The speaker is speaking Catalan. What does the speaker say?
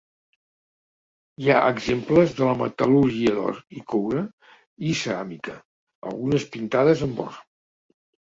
Hi ha exemples de la metal·lúrgia d'or i coure i ceràmica, algunes pintades amb or.